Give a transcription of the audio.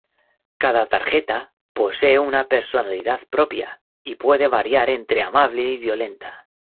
Cada tarjeta posee una personalidad propia y puede variar entre amable y violenta.